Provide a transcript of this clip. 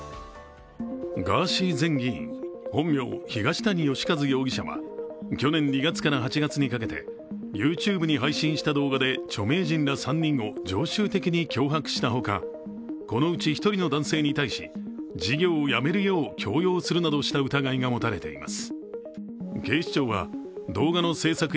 ガーシー前議員、本名・東谷義和容疑者は去年２月から８月にかけて、ＹｏｕＴｕｂｅに配信した動画で著名人ら３人を常習的に脅迫したほか、このうち１人の男性に対し、事業をやめるよう強要したなどした疑いが持たれています。